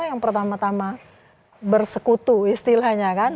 yang pertama tama bersekutu istilahnya kan